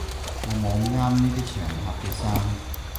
我冇啱呢啲場合嘅衫